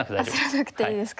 焦らなくていいですか。